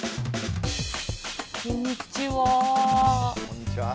こんにちは。